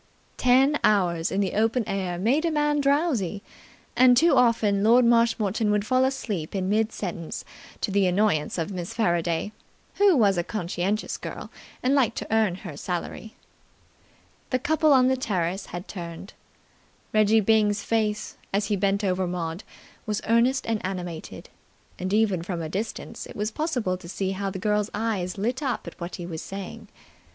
Ten hours in the open air make a man drowsy, and too often Lord Marshmoreton would fall asleep in mid sentence to the annoyance of Miss Faraday, who was a conscientious girl and liked to earn her salary. The couple on the terrace had turned. Reggie Byng's face, as he bent over Maud, was earnest and animated, and even from a distance it was possible to see how the girl's eyes lit up at what he was saying.